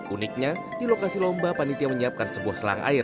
uniknya di lokasi lomba panitia menyiapkan sebuah selang air